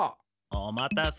おまたせ！